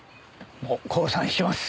もう降参します。